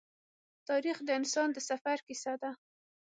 تاریخ د انسان د سفر کیسه ده.